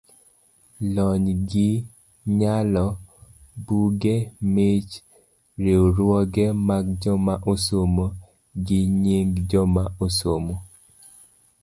lony gi nyalo, buge, mich, riwruoge mag joma osomo, gi nying joma osomo